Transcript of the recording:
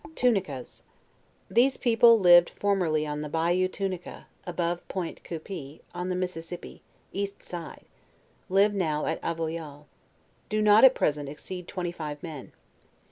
TUNICAS. These, people lived formerly on the Bayou Tu nica, abr ve Point Coupee, on the Mississippi, east side; live now at Avoyall; do not at present exceed twenty five men.